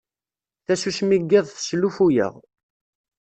Tasusmi n yiḍ teslufu-aɣ.